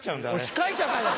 司会者かよ！